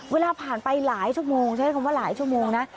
เวลาผ่านไปหลายชั่วโมงใช้คำว่าหลายชั่วโมงนะ